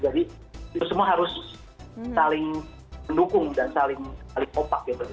jadi itu semua harus saling mendukung dan saling kopak gitu